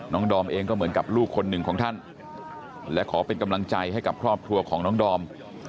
ดอมเองก็เหมือนกับลูกคนหนึ่งของท่านและขอเป็นกำลังใจให้กับครอบครัวของน้องดอม